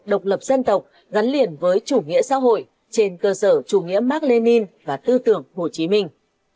độc lập dân tộc gắn liền với chủ nghĩa xã hội trên cơ sở chủ nghĩa mark lenin và tư tưởng hồ chí minh